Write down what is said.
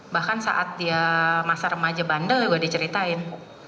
bahkan saat dia masa remaja bandel juga diceritain